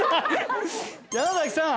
山崎さん。